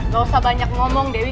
gak usah banyak ngomong dewi